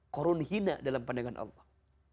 korun hina dalam pandangan allah